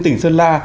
tỉnh sơn la